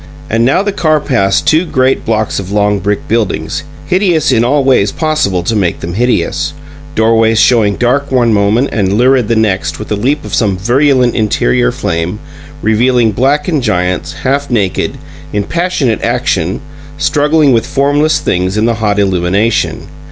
And now the car passed two great blocks of long brick buildings, hideous in all ways possible to make them hideous; doorways showing dark one moment and lurid the next with the leap of some virulent interior flame, revealing blackened giants, half naked, in passionate action, struggling with formless things in the hot illumination.